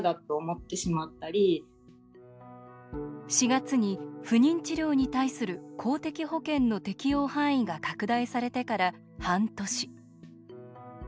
４月に不妊治療に対する公的保険の適用範囲が拡大されてから半年。